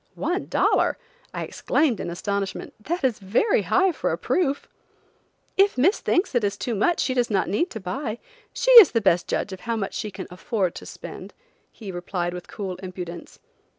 "One dollar!" I exclaimed in astonishment, "That is very high for a proof." "If Miss thinks it is too much she does not need to buy. She is the best judge of how much she can afford to spend," he replied with cool impudence.